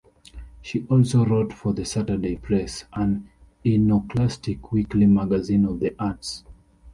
She also wrote for the "Saturday Press", an iconoclastic weekly magazine of the arts.